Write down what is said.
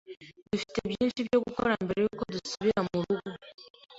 Dufite byinshi byo gukora mbere yuko dusubira murugo.